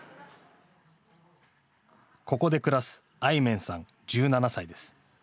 ここで暮らすアイメンさん１７歳です。